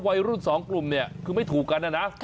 วัยรุ่นสองกลุ่มเนี่ยคือไม่ถูกกันนะนะ